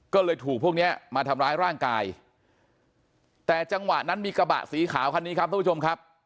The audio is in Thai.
ก็เลยถูกพวกเนี้ยมาทำร้ายร่างกายแต่จังหวะนั้นมีกระบะสีขาวคันนี้ครับทุกผู้ชมครับ